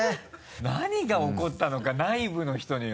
何が起こったのか内部の人には。